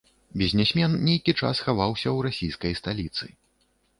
Бізнесмен нейкі час хаваўся ў расійскай сталіцы.